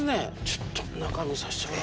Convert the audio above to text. ちょっと中見させてもらおう。